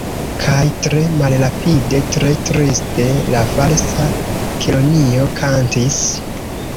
Kaj tre malrapide, tre triste la Falsa Kelonio kantis.